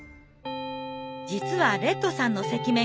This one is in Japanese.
実はレッドさんの赤面